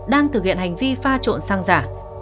đang thực hiện hành vi pha trộn xăng giả